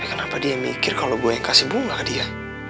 kenapa dia mikir kalau gue yang kasih bunga dia